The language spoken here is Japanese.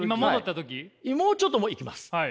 もうちょっといきます。